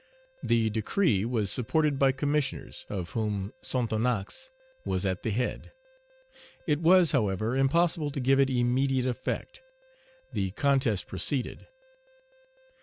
The decree was supported by Commissioners, of whom Sonthonax was at the head. It was, however, impossible to give it immediate effect. The contest proceeded.